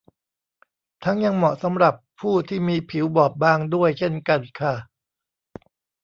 ทั้งยังเหมาะสำหรับผู้ที่มีผิวบอบบางด้วยเช่นกันค่ะ